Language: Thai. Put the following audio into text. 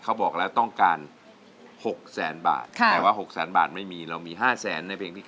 เขาบอกแล้วต้องการ๖แสนบาทแต่ว่า๖แสนบาทไม่มีเรามี๕แสนในเพลงที่๓